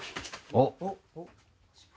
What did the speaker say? あっ。